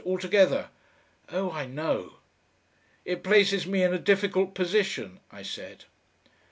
"Altogether." "Oh! I know." "It places me in a difficult position," I said.